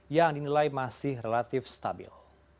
yang dinilai masih relatif stabil